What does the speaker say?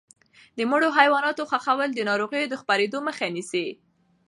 د مړو حیواناتو ښخول د ناروغیو د خپرېدو مخه نیسي.